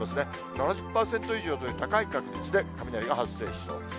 ７０％以上という高い確率で雷が発生しそうです。